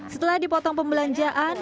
setelah dipotong pembelanjaan